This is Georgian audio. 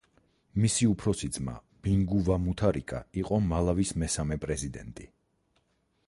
მისი უფროსი ძმა, ბინგუ ვა მუთარიკა იყო მალავის მესამე პრეზიდენტი.